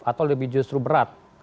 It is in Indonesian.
atau lebih justru berat